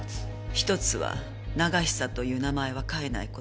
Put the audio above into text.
１つは永久という名前は変えない事。